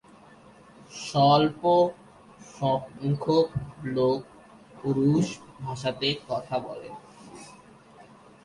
স্বল্প সংখ্যক লোক রুশ ভাষাতে কথা বলেন।